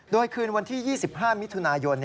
โดยคืนวันที่๒๕มิถุนายน